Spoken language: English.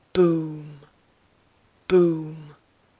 boom! boom!"